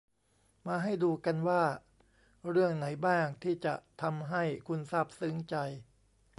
มาให้ดูกันว่า เรื่องไหนบ้างที่จะทำให้คุณซาบซึ้งใจ